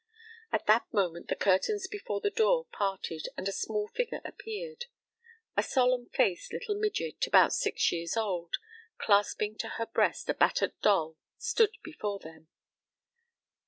At that moment the curtains before the door parted, and a small figure appeared. A solemn faced little midget, about six years old, clasping to her breast a battered doll, stood before them.